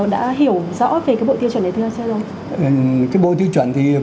đã hiểu rõ về cái bộ tiêu chuẩn này chưa ạ